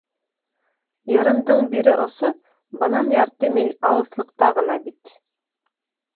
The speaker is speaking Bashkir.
Йырындың бире осо бынан ярты миль алыҫлыҡта ғына бит.